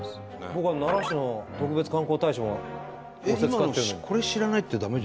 僕は奈良市の特別観光大使も仰せつかってるのに。